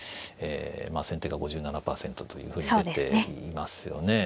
まあ先手が５７％というふうに出ていますよね。